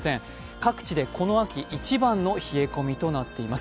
各地で、この秋一番の冷え込みとなっています。